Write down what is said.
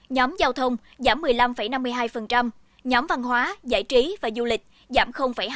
nhóm giao thông giảm một mươi năm năm mươi hai nhóm văn hóa giải trí và du lịch giảm hai mươi